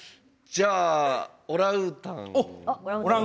じゃあオランウータン。